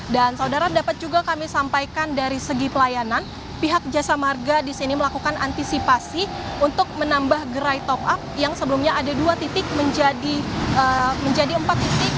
dan saudara dapat juga kami sampaikan dari segi pelayanan pihak jasa marga di sini melakukan antisipasi untuk menambah gerai top up yang sebelumnya ada dua titik menjadi empat titik